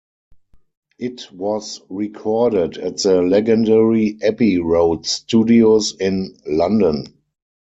It was recorded at the legendary Abbey Road Studios in London.